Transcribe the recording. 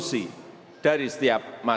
saya memang jadi tidak bebas